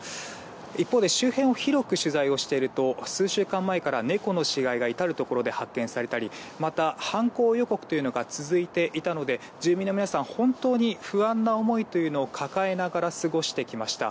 一方で周辺を広く取材をしていると数週間前から猫の死骸が至るところで発見されたりまた、犯行予告というのが続いていたので、住民の皆さんは本当に不安な思いを抱えながら過ごしてきました。